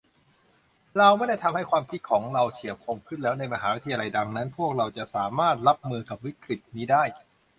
เราได้ทำให้ความคิดของเราเฉียบคมขึ้นแล้วในมหาวิทยาลัยดังนั้นพวกเราจะสามารถรับมือกับวิกฤตินี้ได้